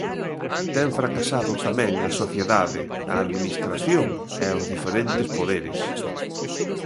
Ten fracasado tamén a sociedade, a Administración e os diferentes poderes.